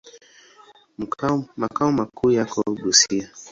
Makao makuu yako Busia.